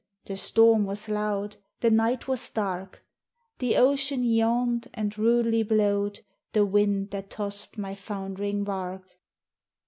The storm was loud, the night was dark, The ocean yawned, and rudely blowed The wind that tossed my foundering bark.